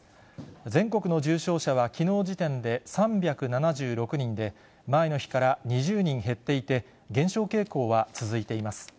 全国の重症者はきのう時点で３７６人で、前の日から２０人減っていて、減少傾向は続いています。